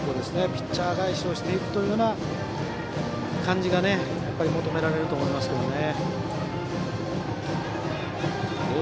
ピッチャー返しをしていくような感じが求められると思いますけどね。